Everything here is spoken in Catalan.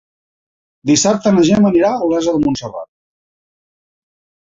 Dissabte na Gemma anirà a Olesa de Montserrat.